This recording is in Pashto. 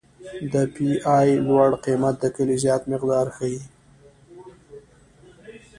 د پی ای لوړ قیمت د کلې زیات مقدار ښیي